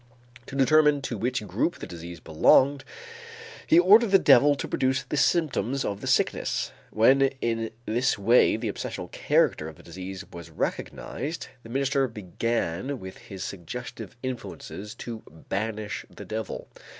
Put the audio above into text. To determine to which group the disease belonged, he ordered the devil to produce the symptoms of the sickness. When in this way the obsessional character of the disease was recognized, the minister began with his suggestive influences to banish the devil.